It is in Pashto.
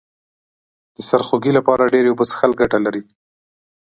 د سرخوږي لپاره ډیرې اوبه څښل گټه لري